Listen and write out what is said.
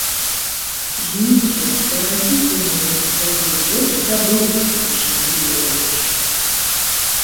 Зміцер, дарагі ты мой, я ўжо больш забыўся, чым ты ведаеш.